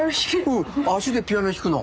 うん足でピアノ弾くの。